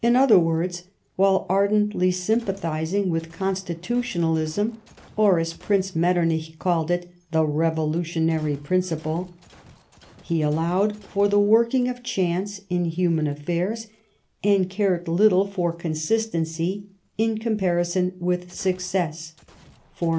In other words, while ardently sympathising with constitutionalism — or, as Prince Metternich called it, the revolutionary principle, — ^he allowed for the working of chance in human affairs, and cared little for consis tency in comparison with success, for means in com * Stockmar's Memoirs, vol.